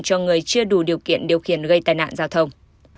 cho người chưa đủ điều kiện điều khiển gây tai nạn giao thông